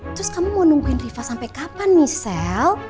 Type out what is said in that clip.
terus kamu mau nungguin riva sampe kapan michelle